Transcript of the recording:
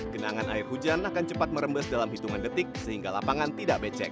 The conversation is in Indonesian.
genangan air hujan akan cepat merembes dalam hitungan detik sehingga lapangan tidak becek